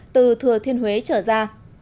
từ thừa thiên huế trở ra